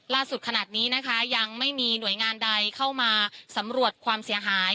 ขนาดนี้นะคะยังไม่มีหน่วยงานใดเข้ามาสำรวจความเสียหาย